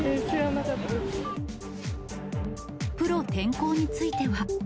プロ転向については。